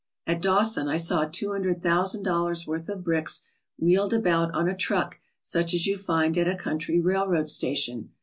At Dawson I saw two hundred thousand dollars' worth of bricks wheeled about on a truck such as you find at a country railroad station.